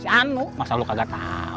si anu masa lu kagak tau